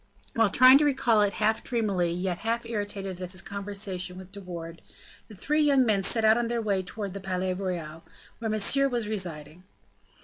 While trying to recall it half dreamily, yet half irritated at his conversation with De Wardes, the three young men set out on their way towards the Palais Royal, where Monsieur was residing.